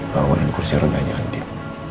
bawa ke kursi roda nya andin